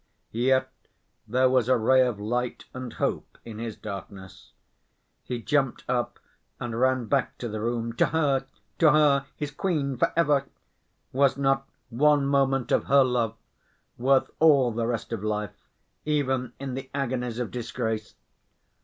Yet there was a ray of light and hope in his darkness. He jumped up and ran back to the room—to her, to her, his queen for ever! Was not one moment of her love worth all the rest of life, even in the agonies of disgrace?